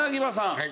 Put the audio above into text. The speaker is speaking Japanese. はい。